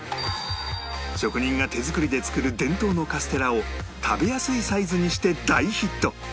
職人が手作りで作る伝統のカステラを食べやすいサイズにして大ヒット